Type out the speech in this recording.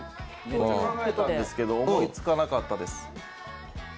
考えてたんですけど思いつかなかったです。